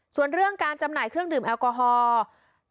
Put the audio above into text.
ส่วนเรื่องการจำหน่ายเครื่องดื่มแอลกอฮอล์